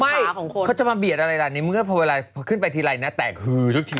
ไม่เขาจะมาเบียดอะไรแบบนี้เมื่อเวลาขึ้นไปทีไรนะแตกฮือทุกทีเลย